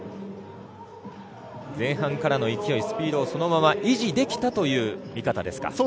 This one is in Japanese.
前半からの勢い、スピードをそのまま維持できたという見方ですか。